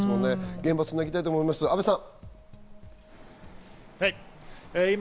現場につなぎたいと思います、阿部さん。